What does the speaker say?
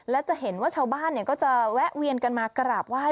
และจะเห็นว่าชาวบ้านก็จะแวะเวียนกันมากราบไหว้